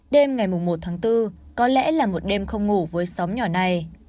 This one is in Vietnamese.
đêm ngày một tháng bốn có lẽ là một đêm không ngủ với xóm nhỏ này